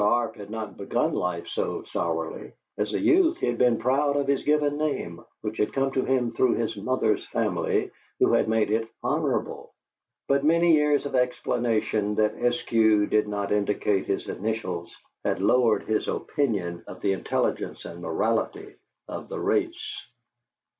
Mr. Arp had not begun life so sourly: as a youth he had been proud of his given name, which had come to him through his mother's family, who had made it honorable, but many years of explanations that Eskew did not indicate his initials had lowered his opinion of the intelligence and morality of the race.